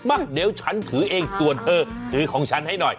มาเดี๋ยวฉันถือเองส่วนเธอถือของฉันให้หน่อย